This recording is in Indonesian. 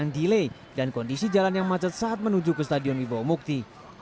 dile dan kondisi jalan yang macet saat menuju ke stadion wibaw mukti